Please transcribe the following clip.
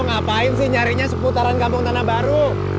ngapain sih nyarinya seputaran kampung tanah baru